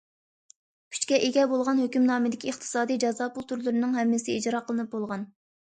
كۈچكە ئىگە بولغان ھۆكۈمنامىدىكى ئىقتىسادىي جازا پۇل تۈرلىرىنىڭ ھەممىسى ئىجرا قىلىنىپ بولغان.